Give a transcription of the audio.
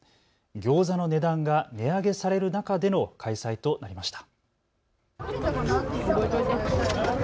ギョーザの値段が値上げされる中での開催となりました。